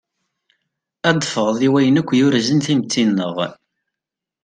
Ad ffɣeḍ i wayen akk yurzen timetti-nneɣ.